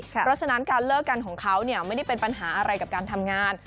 เพราะฉะนั้นการเลิกกันของเขาไม่ได้เป็นปัญหาอะไรกับการทำงาน